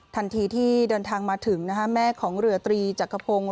ทันทีที่เดินทางมาถึงแม่ของเรือตรีจักรพงศ์